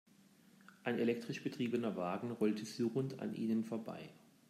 Ein elektrisch betriebener Wagen rollte surrend an ihnen vorbei.